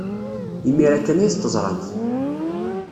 Imir-a kan ay t-teẓramt.